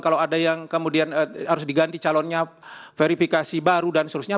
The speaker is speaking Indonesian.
kalau ada yang kemudian harus diganti calonnya verifikasi baru dan seterusnya